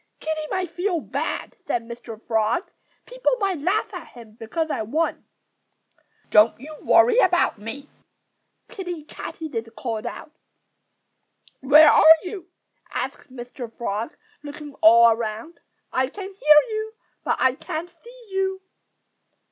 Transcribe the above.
"Kiddie might feel bad," said Mr. Frog. "People might laugh at him because I won." "Don't you worry about me!" Kiddie Katydid called out. "Where are you?" asked Mr. Frog, looking all around. "I can hear you, but I can't see you."